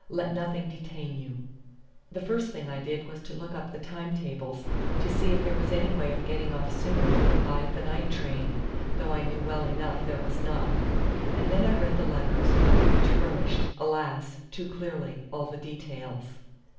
Let nothing detain you." The first thing I did was to look up the time tables to see if there was any way of getting off sooner than by the night train, though I knew well enough there was not; and then I read the letters, which furnished, alas! too clearly, all the details.